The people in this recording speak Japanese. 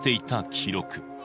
記録